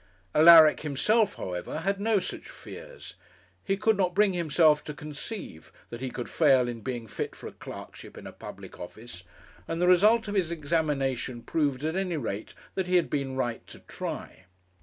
Alaric himself, however, had no such fears. He could not bring himself to conceive that he could fail in being fit for a clerkship in a public office, and the result of his examination proved at any rate that he had been right to try.